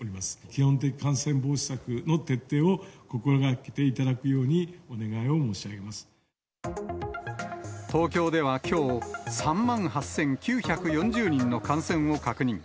基本的感染防止策の徹底を心がけていただくようにお願いを申し上東京ではきょう、３万８９４０人の感染を確認。